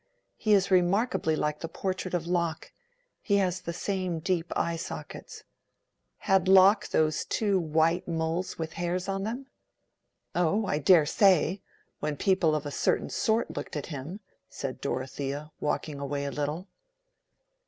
He is remarkably like the portrait of Locke. He has the same deep eye sockets." "Had Locke those two white moles with hairs on them?" "Oh, I dare say! when people of a certain sort looked at him," said Dorothea, walking away a little.